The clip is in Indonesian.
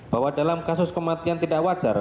bahwa dalam kasus kematian tidak wajar